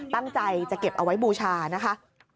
ตั้งใจจะเก็บเอาไว้บูชานะคะ